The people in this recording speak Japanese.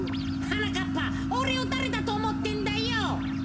はなかっぱおれをだれだとおもってんだよ。